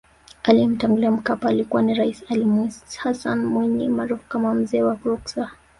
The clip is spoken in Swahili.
Aliyemtangulia Mkapa alikuwa ni Raisi Ali Hassan Mwinyi maarufu kama mzee wa ruksa